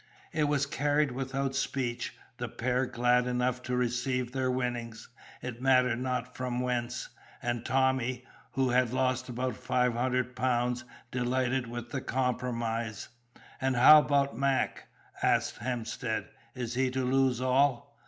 It was carried without speech: the pair glad enough to receive their winnings, it mattered not from whence; and Tommy, who had lost about five hundred pounds, delighted with the compromise. "And how about Mac?" asked Hemstead. "Is he to lose all?"